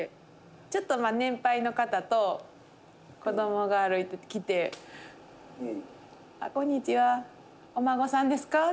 ちょっと年配の方と子供が歩いてきて「こんにちは。お孫さんですか？」